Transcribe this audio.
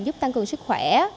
giúp tăng cường sức khỏe